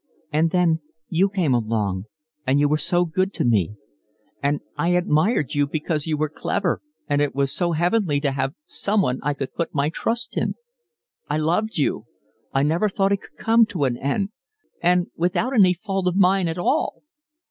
"And then you came along and you were so good to me. And I admired you because you were clever and it was so heavenly to have someone I could put my trust in. I loved you. I never thought it could come to an end. And without any fault of mine at all."